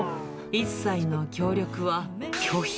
一切の協力は拒否。